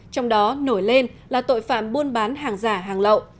trong đó nổi lên là tội phạm buôn bán hàng giả hàng lậu